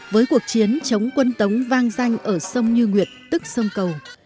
với cuộc chiến chống quân tống vang danh ở sông như nguyệt tức sông cầu